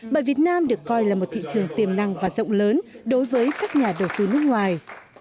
bởi việt nam được coi là một thị trường tiềm năng và rộng lớn đối với các nhà đầu tư nước ngoài